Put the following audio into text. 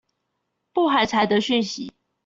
不寒蟬的訊息